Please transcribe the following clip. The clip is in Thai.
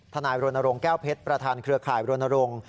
ธนายโรนโรงแก้วเพชรประธานเครือข่ายโรนโรง